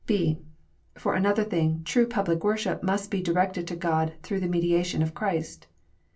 (b) For another thing, true public worship must be directed to God through the mediation of CJirist.